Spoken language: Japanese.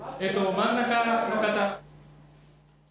真ん中の方。